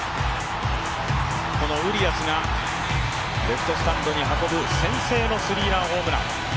このウリアスがレフトスタンドに運ぶ先制のスリーランホームラン。